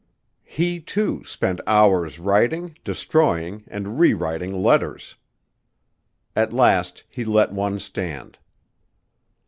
He, too, spent hours writing, destroying and rewriting letters. At last he let one stand.